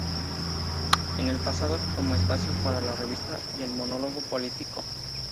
En el pasado como espacio para la revista y el monólogo político.